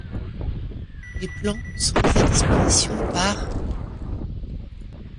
Les plans sont mis à disposition par '.